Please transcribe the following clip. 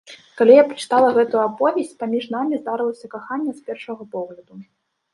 Калі я прачытала гэтую аповесць, паміж намі здарылася каханне з першага погляду.